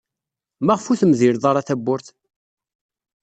Maɣef ur temdiled ara tawwurt?